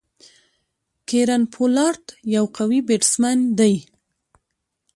کیرن پولارډ یو قوي بيټسمېن دئ.